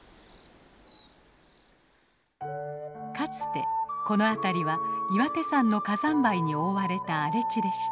かつてこの辺りは岩手山の火山灰に覆われた荒れ地でした。